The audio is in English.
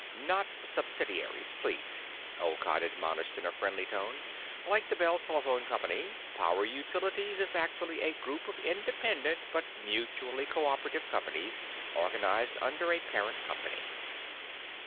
"Not subsidiaries, please," Olcott admonished in a friendly tone. "Like the Bell Telephone Company, Power Utilities is actually a group of independent but mutually co operative companies organized under a parent company."